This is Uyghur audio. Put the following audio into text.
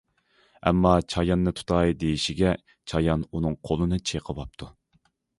ئەمما چاياننى تۇتاي دېيىشىگە چايان ئۇنىڭ قولىنى چېقىۋاپتۇ.